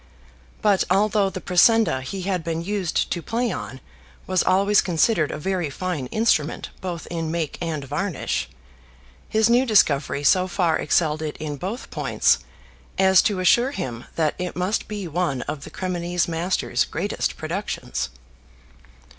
But although the Pressenda he had been used to play on was always considered a very fine instrument both in make and varnish, his new discovery so far excelled it in both points as to assure him that it must be one of the Cremonese master's greatest productions.